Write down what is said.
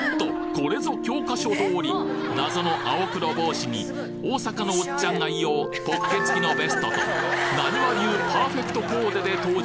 これぞ教科書通り！謎の青黒帽子に大阪のオッチャン愛用ポッケ付きのベストとなにわ流パーフェクトコーデで登場！